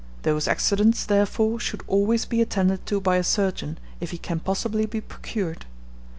Those accidents, therefore, should always be attended to by a surgeon, if he can possibly be procured.